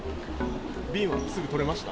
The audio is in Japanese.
便はすぐ取れました？